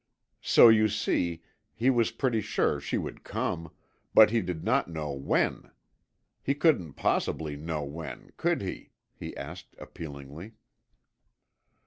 So you see he was pretty sure she would come, but he did not know when. He couldn't possibly know when, could he?" he asked appealingly.